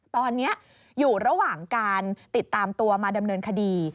ตอนนี้อยู่ระหว่างการติดตามตัวมาดำเนินคดี